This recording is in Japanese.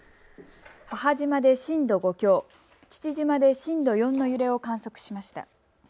母島で震度５強、父島で震度４の揺れを観測しました。